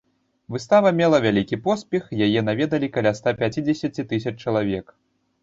Выстава мела вялікі поспех, яе наведалі каля ста пяцідзесяці тысяч чалавек.